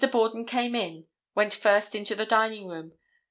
Borden came in, went first into the dining room.